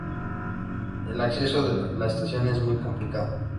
El acceso a la estación es muy complicado.